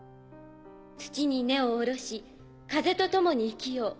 「土に根をおろし風とともに生きよう」。